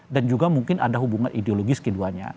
juga mungkin ada hubungan ideologis keduanya